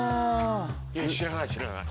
いや知らない知らない。